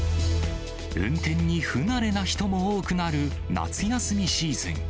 運転に不慣れな人も多くなる夏休みシーズン。